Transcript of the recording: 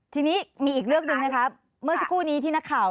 ทีนี้มีอีกเรื่องหนึ่งนะครับเมื่อสักครู่นี้ที่นักข่าว